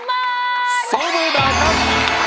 ๒หมื่นบาทครับ